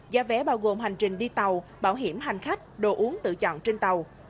giá vé bao gồm hành trình đi tàu bảo hiểm hành khách đồ uống tự chọn trên tàu